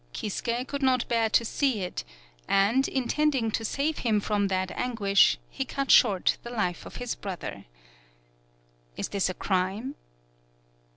Kisuke could not bear to see it, and, intending to save him from that anguish, he cut short the life of his brother. Is this a crime?